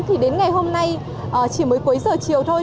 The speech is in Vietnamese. thì đến ngày hôm nay chỉ mới cuối giờ chiều thôi